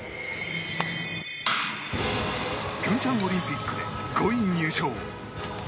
平昌オリンピックで５位入賞。